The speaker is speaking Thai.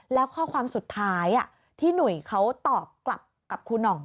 แล้วข้อความสุดท้ายที่หนุ่ยเขาตอบกลับกับครูหน่อง